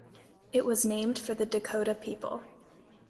It was named for the Dakota people.